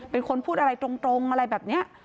เป็นคนพูดอะไรตรงอะไรแบบนี้